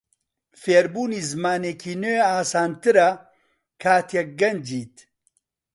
فێربوونی زمانێکی نوێ ئاسانترە کاتێک گەنجیت.